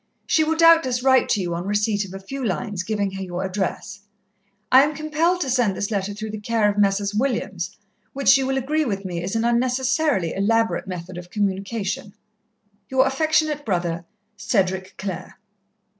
She will doubtless write to you on receipt of a few lines giving her your address. I am compelled to send this letter through the care of Messrs. Williams, which you will agree with me is an unnecessarily elaborate method of communication. "Your affectionate brother, "CEDRIC CLARE."